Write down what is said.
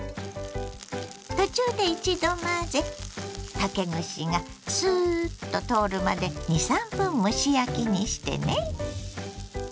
途中で一度混ぜ竹串がスーッと通るまで２３分蒸し焼きにしてね。